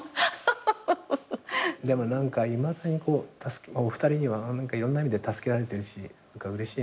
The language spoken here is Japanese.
でもいまだにお二人にはいろんな意味で助けられてるしうれしいな。